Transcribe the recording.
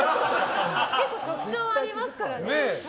結構、特徴ありますからね。